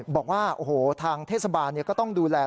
บอกว่าโอ้โหทางเทศบาลก็ต้องดูแล